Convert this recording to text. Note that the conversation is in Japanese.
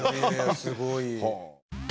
すごい。